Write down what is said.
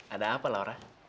ada apa laura